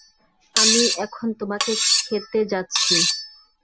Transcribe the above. আমি এখন তোমাকে খেতে যাচ্ছি।